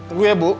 tunggu ya bu